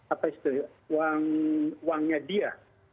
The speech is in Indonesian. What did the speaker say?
apa itu uangnya dia